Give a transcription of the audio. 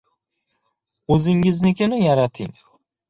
O‘zingiznikini yarating".